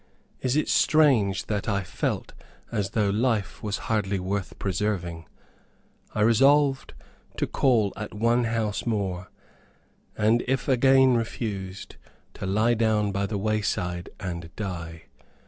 Is it strange that I felt as though life was hardly worth preserving? I resolved to call at one house more, and if again refused, to lie down by the wayside and die.